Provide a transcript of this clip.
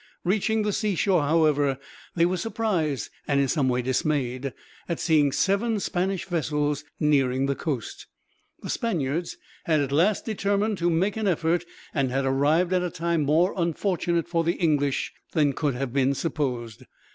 Reaching the seashore, however, they were surprised, and in some way dismayed, at seeing seven Spanish vessels nearing the coast. The Spaniards had at last determined to make an effort, and had arrived at a time more unfortunate for the English than could have been supposed.